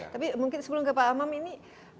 tapi mungkin sebelumnya pak amam ini